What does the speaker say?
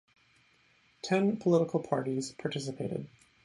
Ten political parties participated.